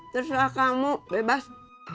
terserah kamu bebas